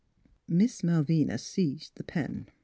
Miss Malvina seized the pen.